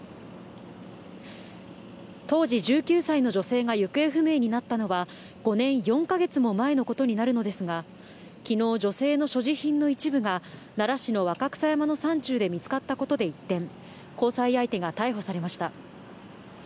当時１９歳の女性が行方不明になったのは、５年４か月も前のことになるのですが、きのう女性の所持品の一部が奈良市の若草山の山中で見つかったことで一転、交際相手が逮捕されました。